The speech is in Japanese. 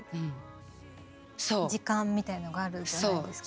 時間みたいなのがあるじゃないですか。